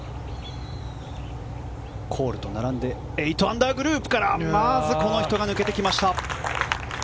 コールと並んで８アンダーグループからまずこの人が抜けてきました。